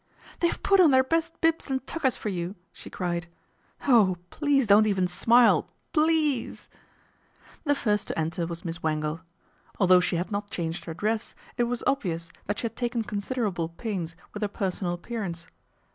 " They've put on their best bibs and tuckers for you/' she cried. " Oh ! please don't even smile, ple e e ase !" The first to enter was Miss Wangle. Although she had not changed her dress, it was obvious that she had taken considerable pains with her personal appearance.